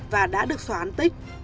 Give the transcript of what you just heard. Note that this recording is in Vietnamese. và đã được xóa án tích